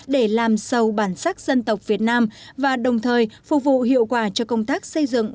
để làm sâu bản sắc dân tộc việt nam và đồng thời phục vụ hiệu quả cho công tác xây dựng